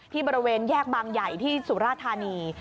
บริเวณแยกบางใหญ่ที่สุราธานี